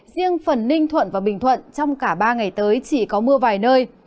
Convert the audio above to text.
riêng phần ninh thuận và bình thuận trong cả ba ngày tới chỉ có mưa vài nơi